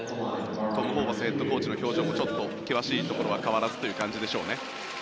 トム・ホーバスヘッドコーチの表情もちょっと険しいところは変わらずという感じですね。